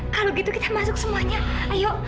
kalau gitu kita masuk semuanya ayo